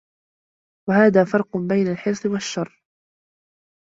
وَهَذَا فَرْقُ مَا بَيْنَ الْحِرْصِ وَالشَّرَهِ